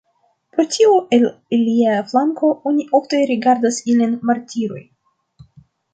Pro tio, el ilia flanko oni ofte rigardas ilin martiroj.